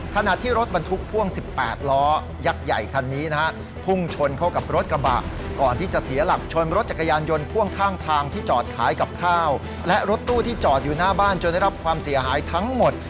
ขณะที่รถบรรทุกพ่วง๑๘ล้อยักษ์ใหญ่คันนี้นะฮะพุ่งชนเข้ากับรถกระบะก่อนที่จะเสียหลักชนรถจักรยานยนต์พ่วงข้างทางที่จอดขายกับข้าวและรถตู้ที่จอดอยู่หน้าบ้านจนได้รับความเสียหายทั้งหมด